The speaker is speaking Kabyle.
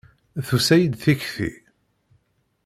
Tusa-yi-d tikti.